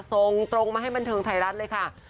ส่งตรงมาให้บันเทิงไทยรัฐเลยค่ะ